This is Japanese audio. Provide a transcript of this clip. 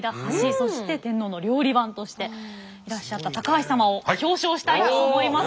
そして天皇の料理番としていらっしゃった高橋様を表彰したいと思います。